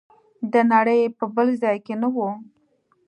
د نړۍ په بل ځای کې نه و.